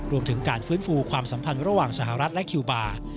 รวมถึงการฟื้นฟูความสัมพันธ์ระหว่างสหรัฐและคิวบาร์